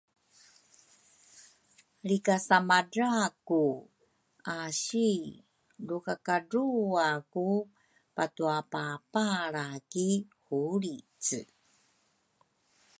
lrikasamadraku aisi lu ka kadrua ku patuapapalra ki hulrici.